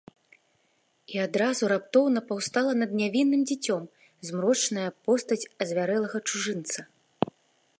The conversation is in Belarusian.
І адразу раптоўна паўстала над нявінным дзіцём змрочная постаць азвярэлага чужынца.